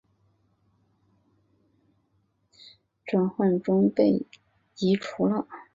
其中有些地图的资料就在上述地图版权的转换中被移除了。